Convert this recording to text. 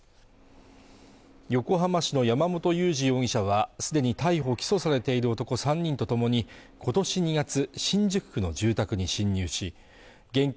横浜市の山本裕司容疑者はすでに逮捕起訴されている男３人とともに今年２月新宿区の住宅に侵入し現金